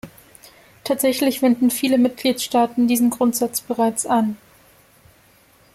Tatsächlich wenden viele Mitgliedstaaten diesen Grundsatz bereits an.